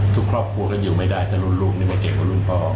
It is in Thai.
ทุกครอบครัวก็อยู่ไม่ได้แต่รุ่นลูกนี่มันเจ็บกว่ารุ่นพ่อ